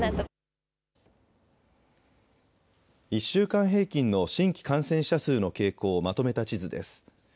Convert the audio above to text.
１週間平均の新規感染者数の傾向をまとめた地図です。